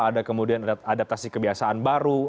ada kemudian adaptasi kebiasaan baru